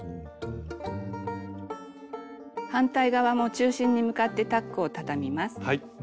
反対側も中心に向かってタックをたたみます。